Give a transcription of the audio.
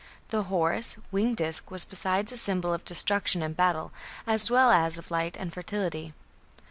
The Horus "winged disc" was besides a symbol of destruction and battle, as well as of light and fertility.